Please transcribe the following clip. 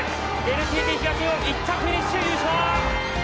ＮＴＴ東日本１着フィニッシュ優勝！